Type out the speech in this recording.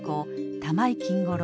玉井金五郎。